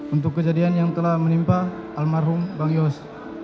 untuk kejadian yang telah menimpa almarhum bang yos